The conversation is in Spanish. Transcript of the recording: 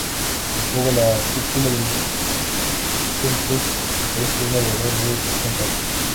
En Cuba la cúpula dirigente del país tiene alrededor de ochenta años.